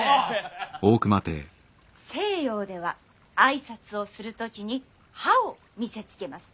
西洋では挨拶をする時に歯を見せつけます。